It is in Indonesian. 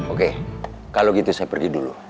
oke kalau gitu saya pergi dulu